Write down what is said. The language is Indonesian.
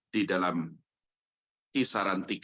di dalam kisaran